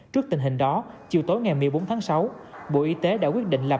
trước tình hình đó chiều tối ngày một mươi bốn tháng sáu bộ y tế đã quyết định lập